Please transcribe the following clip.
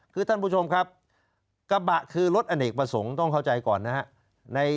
คือท่านผู้ชมครับกระบะคือรถอเนกประสงค์ต้องเข้าใจก่อนนะครับ